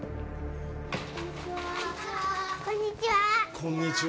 こんにちは